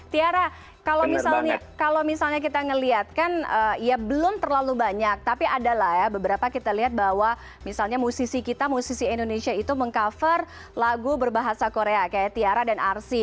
tiara kalau misalnya kita ngeliat kan ya belum terlalu banyak tapi adalah ya beberapa kita lihat bahwa misalnya musisi kita musisi indonesia itu meng cover lagu berbahasa korea kayak tiara dan arsy